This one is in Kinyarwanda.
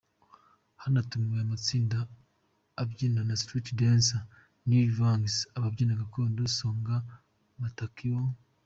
Hanatumiwe amatsinda abyina nka Street Dancers, New Youngs ; ababyina gakondo Sangoa , Matakio .